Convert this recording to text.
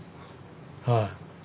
はい。